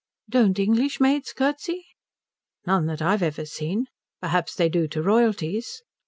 "Don't English maids curtsey?" "None that I've ever seen. Perhaps they do to royalties."